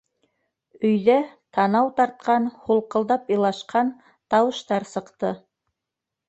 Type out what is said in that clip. - Өйҙә танау тартҡан, һулҡылдап илашҡан тауыштар сыҡты.